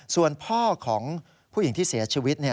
ส่วนพ่อของผู้หญิงที่เสียชีวิต